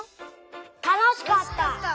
たのしかった！